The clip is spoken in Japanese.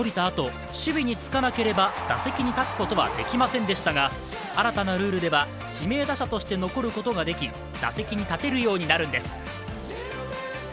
あと守備につかなければ、打席に立つことはできませんでしたが新たなルールでは、指名打者として残ることができ打席に立てるようになるんです。